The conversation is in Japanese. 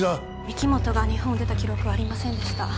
御木本が日本を出た記録はありませんでした